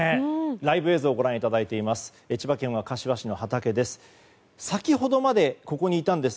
ライブ映像をご覧いただいています。